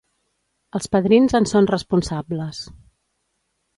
Els padrins en són responsables.